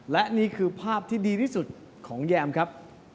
และนี่คือภาพที่ดีที่สุดของแยมครับ